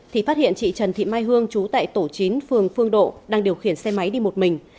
thì phát hiện chị trần thị mai hương chú tại tổ chín phường phương độ đang điều khiển xe máy đi một mình